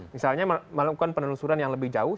misalnya melakukan penelusuran yang lebih jauh